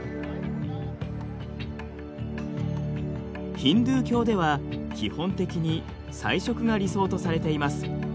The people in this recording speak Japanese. ヒンドゥー教では基本的に菜食が理想とされています。